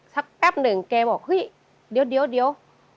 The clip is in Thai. แป๊บหนึ่งแกบอกเฮ้ยเดี๋ยว